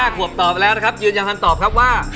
ขวบตอบแล้วนะครับยืนยันคำตอบครับว่า